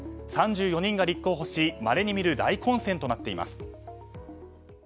３４人が立候補しまれに見る大混戦となっています。